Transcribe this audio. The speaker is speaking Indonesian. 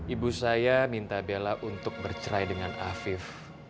ibu saya minta bella untuk bercerai dengan afif